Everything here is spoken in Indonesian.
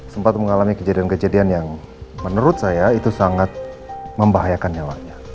sempat mengalami kejadian kejadian yang menurut saya itu sangat membahayakan nyawanya